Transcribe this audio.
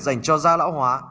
dành cho da lão hóa